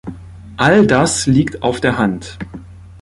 All das liegt auf der Hand.